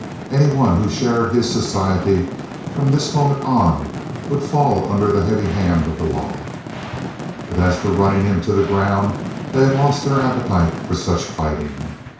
Any one who shared his society from this moment on would fall under the heavy hand of the law. But as for running him into the ground, they had lost their appetite for such fighting.